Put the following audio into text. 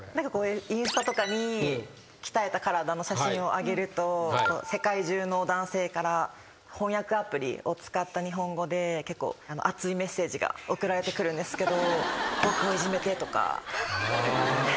インスタとかに鍛えた体の写真を上げると世界中の男性から翻訳アプリを使った日本語で結構熱いメッセージが送られてくるんですけど。